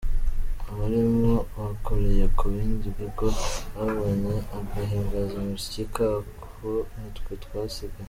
Abarimu bakoreye ku bindi bigo babonye agahimbazamusyi kabo nitwe twasigaye.